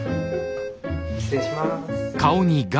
失礼します。